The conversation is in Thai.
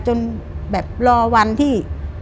จนแบบรอวันที่